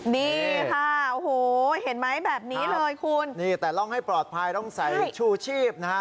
นี่ค่ะโอ้โหเห็นไหมแบบนี้เลยคุณนี่แต่ร่องให้ปลอดภัยต้องใส่ชูชีพนะฮะ